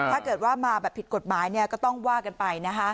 ถ้าเกิดว่ามาแบบผิดกฎหมายก็ต้องว่ากันไปนะคะ